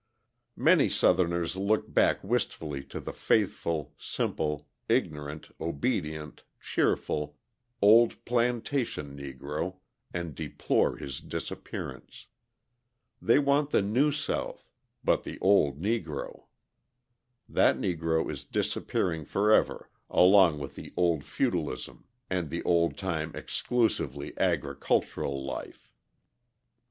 Many Southerners look back wistfully to the faithful, simple, ignorant, obedient, cheerful, old plantation Negro and deplore his disappearance. They want the New South, but the old Negro. That Negro is disappearing forever along with the old feudalism and the old time exclusively agricultural life.